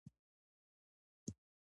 پېیر کوري د راډیوم کشف پایله تایید کړه.